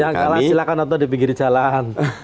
yang kalah silahkan nonton di pinggir jalan